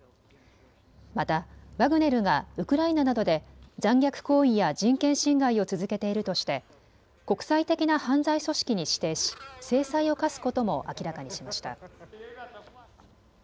またワグネルがウクライナなどで残虐行為や人権侵害を続けているとして国際的な犯罪組織に指定し制裁を科すことも明らかにしました。